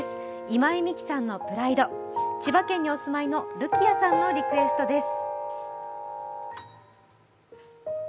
今井美樹さんの「ＰＲＩＤＥ」、千葉県にお住まいのるきあさんのリクエストです。